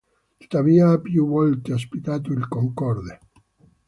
Tuttavia ha più volte ospitato il Concorde.